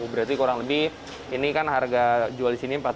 berarti kurang lebih ini kan harga jual di sini rp empat ya